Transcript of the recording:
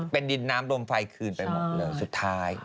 เป็นดินน้ำลมไฟคืนไปหมดเลยสุดท้าย